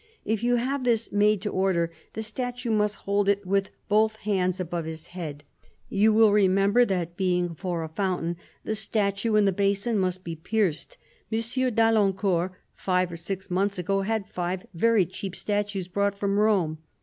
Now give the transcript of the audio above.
If you have this made to order the statue must hold it with both hands above his head. You will remember that, being for a fountain, the statue and the basin must be pierced. ... M. d'Alincourt five or six months ago had five very cheap statues brought from Rome.